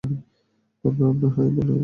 ভাবলাম আপনাদের হাই বলে যাই।